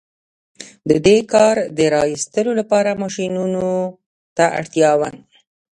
د دې کان د را ايستلو لپاره ماشينونو ته اړتيا وه.